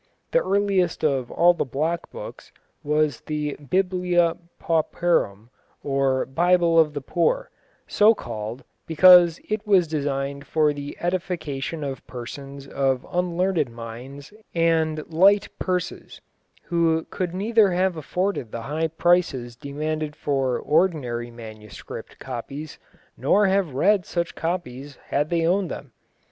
The earliest of all the block books was the Biblia Pauperum, or "Bible of the Poor," so called because it was designed for the edification of persons of unlearned minds and light purses, who could neither have afforded the high prices demanded for ordinary manuscript copies, nor have read such copies had they owned them.